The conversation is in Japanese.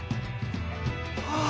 ああ。